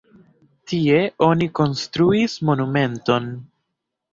Tie oni konstruis monumenton.